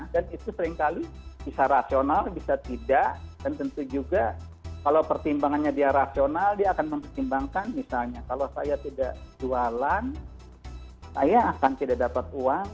dan itu seringkali bisa rasional bisa tidak dan tentu juga kalau pertimbangannya dia rasional dia akan mempertimbangkan misalnya kalau saya tidak jualan saya akan tidak dapat uang